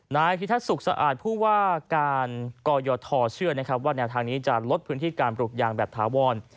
นายพิทัศนสุขสะอาดผู้ว่าการกยทเชื่อนะครับว่าแนวทางนี้จะลดพื้นที่การปลูกยางแบบถาวร